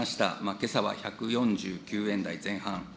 けさは１４９円台前半。